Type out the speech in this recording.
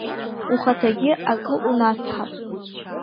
Ухаҭагьы акы унацҳап.